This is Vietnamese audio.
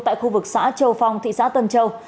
tại khu vực xã châu phong thị xã tân châu